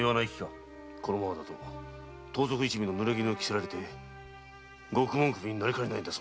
このままだと盗賊一味のヌレギヌを着せられ獄門首になりかねんぞ。